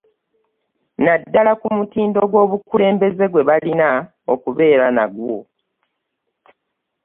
Naddala ku mutindo gw'obukulembeze gwe balina okubeera nagwo.